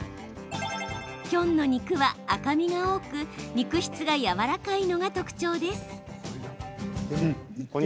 キョンの肉は赤身が多く肉質がやわらかいのが特徴です。